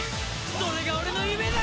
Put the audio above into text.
それが俺の夢だ！